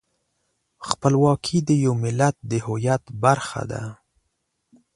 خپلواکي د یو ملت د هویت برخه ده.